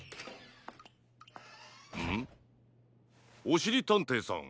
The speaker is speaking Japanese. おしりたんていさん。